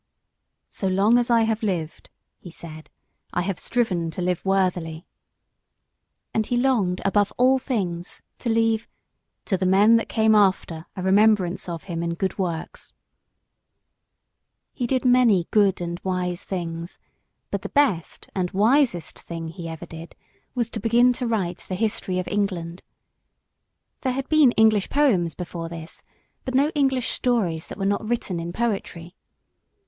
"So long as I have lived," he said, "I have striven to live worthily." And he longed, above all things, to leave "to the men that came after a remembrance of him in good works." He did many good and wise things, but the best and wisest thing he ever did was to begin to write the History of England. There had been English poems before this, but no English stories that were not written in poetry.